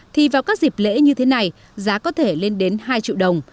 thì vào các dịp lễ như thế này giá có thể lên đến hai triệu đồng